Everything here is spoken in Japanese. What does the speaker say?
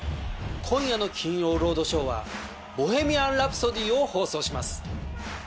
今夜の『金曜ロードショー』は『ボヘミアン・ラプソディ』を放送します。